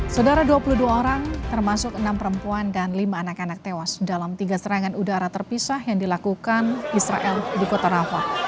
saudara dua puluh dua orang termasuk enam perempuan dan lima anak anak tewas dalam tiga serangan udara terpisah yang dilakukan israel di kota rafah